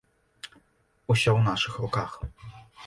Усё ў нашых руках.